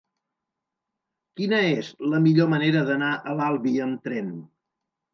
Quina és la millor manera d'anar a l'Albi amb tren?